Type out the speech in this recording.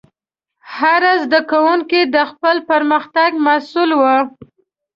هر زده کوونکی د خپل پرمختګ مسؤل و.